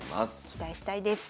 期待したいです。